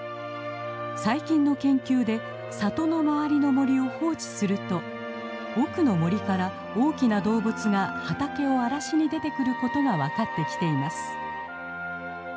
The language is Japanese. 最近の研究で里の周りの森を放置すると奥の森から大きな動物が畑を荒らしに出てくることが分かってきています。